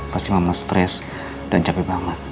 pasti mama stres dan capek banget